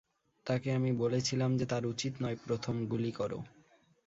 তাকে আমি বলেছিলাম যে তার উচিত নয় প্রথম-- গুলি করো!